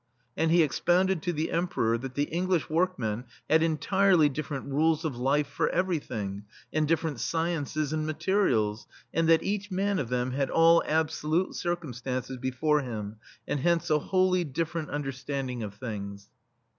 And he expounded to the Emperor that the English workmen had entirely different rules of life for everything, and different sciences and materials, and that each man of them had all absolute circum stances before him, and hence a wholly different understanding of things.